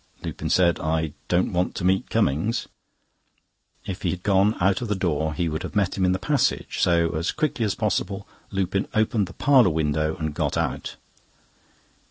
Lupin said: "I don't want to meet Cummings." If he had gone out of the door he would have met him in the passage, so as quickly as possible Lupin opened the parlour window and got out.